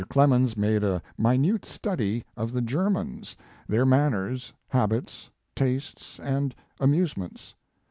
Clemens made a minute study of the Germans, their manners, habits, tastes and amusements.